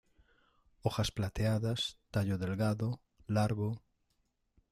Hojas plateadas, tallo delgado, largo.